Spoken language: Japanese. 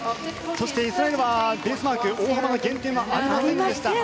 そして、イスラエルはベースマーク大幅な減点はありませんでした。